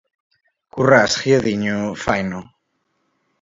Currás, guiadiño, faino.